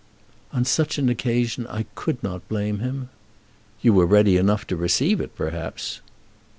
"On such an occasion I could not blame him." "You were ready enough to receive it, perhaps."